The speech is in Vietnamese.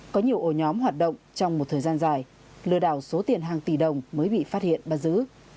có nhiều ổ nhóm hoạt động trong một thời gian dài lừa đảo số tiền hàng tỷ đồng mới bị phát hiện bắt giữ